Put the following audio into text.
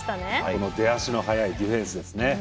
この出足の速いディフェンスですね。